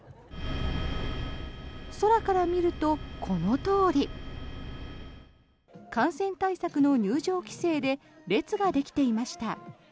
空から見るとこのとおり。感染対策の入場規制で列ができていました。